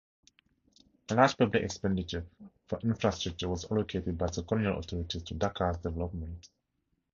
Large public expenditure for infrastructure was allocated by the colonial authorities to Dakar's development.